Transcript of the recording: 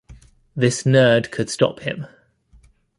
This Nerd Could Stop Him.